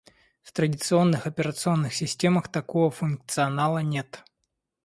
В традиционных операционных системах такого функционала нет